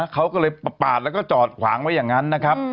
เขาก็เลยปาดแล้วก็จอดขวางไว้อย่างนั้นนะครับ